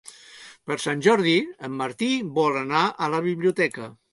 Per Sant Jordi en Martí vol anar a la biblioteca.